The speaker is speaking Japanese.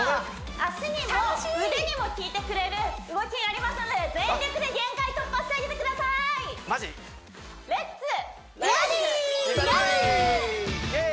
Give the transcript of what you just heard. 足にも腕にもきいてくれる動きになりますので全力で限界突破してあげてくださいイエーイ！